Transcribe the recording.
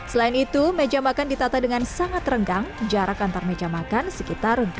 selain itu meja makan ditata dengan sangat renggang jarak antar meja makan sekitar empat jam